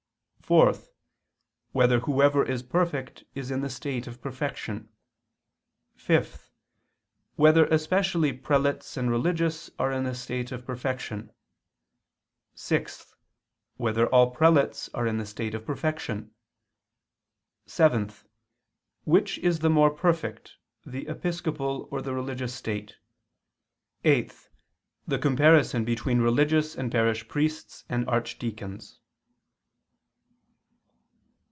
(4) Whether whoever is perfect is in the state of perfection? (5) Whether especially prelates and religious are in the state of perfection? (6) Whether all prelates are in the state of perfection? (7) Which is the more perfect, the episcopal or the religious state? (8) The comparison between religious and parish priests and archdeacons.